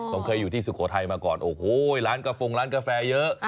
ผมเคยอยู่ที่สุโขทัยมาก่อนโอ้โหร้านกาโฟงร้านกาแฟเยอะ